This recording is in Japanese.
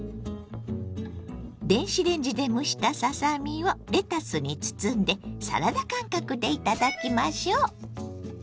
電子レンジで蒸したささ身をレタスに包んでサラダ感覚で頂きましょ。